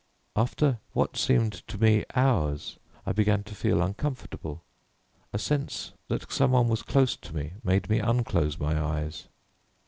After what seemed to me hours, I began to feel uncomfortable. A sense that somebody was close to me made me unclose my eyes.